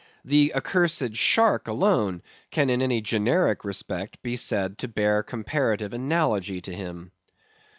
The accursed shark alone can in any generic respect be said to bear comparative analogy to him.